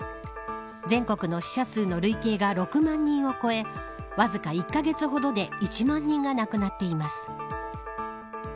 全国の死者数の累計が６万人を超えわずか１カ月ほどで１万人が亡くなっています。